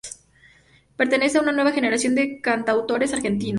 Pertenece a una nueva generación de cantautores argentinos.